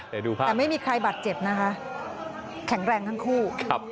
แต่ไม่มีใครบัดเจ็บนะคะแข็งแรงทั้งคู่